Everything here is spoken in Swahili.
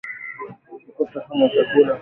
Kukosa hamu ya chakula